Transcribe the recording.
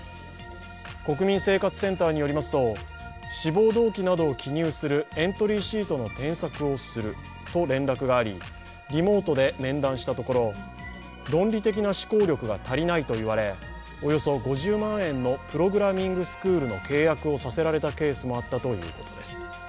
国民生活センターによりますと、志望動機などを記入するエントリーシートの添削をすると連絡があり、リモートで面談したところ論理的な思考力が足りないと言われ、およそ５０万円のプログラミングスクールの契約をさせられたケースもあったというこです。